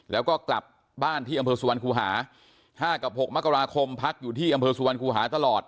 แล้วก็กลับบ้านที่อำเภอสุวรรคูหา๕กับ๖มกราคมพักอยู่ที่อำเภอสุวรรคูหาตลอด